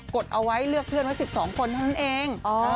กดเอาไว้เลือกเพื่อนไว้สิบสองคนเท่านั้นเองอ๋อ